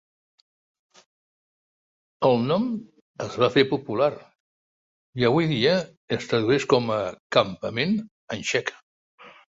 El nom es va fer popular i avui dia es tradueix com a "campament" en txec.